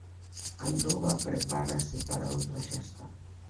Anduva prepárase para outra xesta.